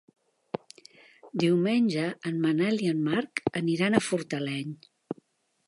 Diumenge en Manel i en Marc aniran a Fortaleny.